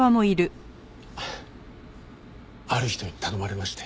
ある人に頼まれまして。